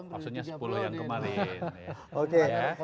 maksudnya sepuluh yang kemarin